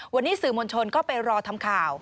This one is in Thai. วันนี้สื่อมวลชนก็ไปรอทำข่าว